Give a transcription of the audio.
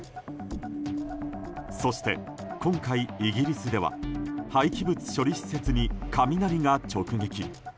そして、今回イギリスでは廃棄物処理施設に雷が直撃。